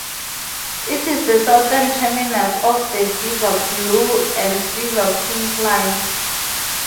It is the southern terminus of the Viva Blue and Viva Pink lines.